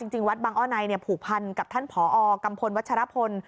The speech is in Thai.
จริงวัดบังอ้อในผูกพันกับท่านผอกัมพลวัชรพล